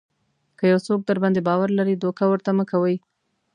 که یو څوک درباندې باور لري دوکه ورته مه کوئ.